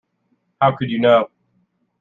How could you know?